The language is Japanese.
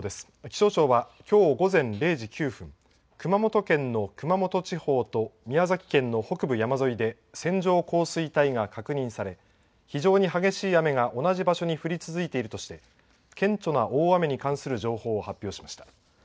気象庁は、きょう午前０時９分、熊本県の熊本地方と宮崎県の北部山沿いで線状降水帯が確認され、非常に激しい雨が同じ場所に降り続いているとして、顕著な大雨に関する情報を発表しました。